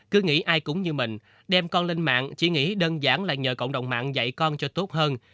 cứ nghĩ ai cũng như mình đem con lên mạng chỉ nghĩ đơn giản là nhờ cộng đồng mạng dạy con cho tốt hơn